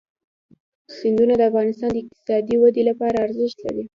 سیندونه د افغانستان د اقتصادي ودې لپاره ارزښت لري.